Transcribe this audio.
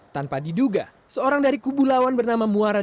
tanpa diduga seorang dari kubu lawan bernama muara